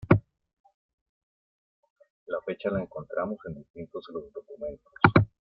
La fecha la encontramos en distintos los documentos.